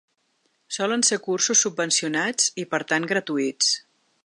Solen ser cursos subvencionats i, per tant, gratuïts.